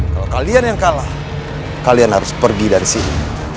kalau kalian yang kalah kalian harus pergi dari sini